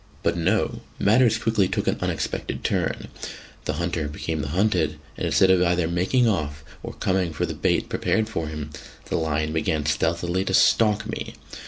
But no; matters quickly took an unexpected turn. The hunter became the hunted; and instead of either making off or coming for the bait prepared for him, the lion began stealthily to stalk me!